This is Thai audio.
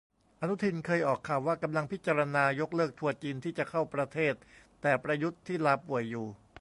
อนุทินเคยออกข่าวว่ากำลังพิจารณายกเลิกทัวร์จีนที่จะเข้าประเทศ แต่ประยุทธ์ ที่ลาป่วยอยู่